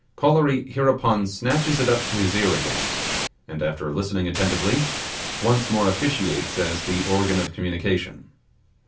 Kolory hereupon snatches it up to his ear again, and after listening attentively, once more officiates as the organ of communication.